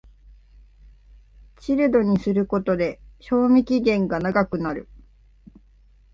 チルドにすることで賞味期限が長くなる